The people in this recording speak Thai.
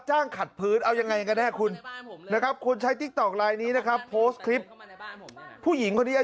เจ้าของบ้านไม่อยู่แต่เดินเข้ามาในบ้านผมเนี่ยนะ